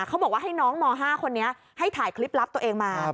เขาบอกว่าให้น้องม๕คนนี้ให้ถ่ายคลิปลับตัวเองมา